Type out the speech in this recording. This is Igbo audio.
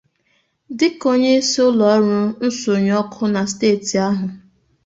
dịka onyeisi ụlọọrụ nsọnyụ ọkụ na steeti ahụ